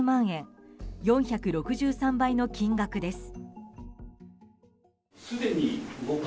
４６３倍の金額です。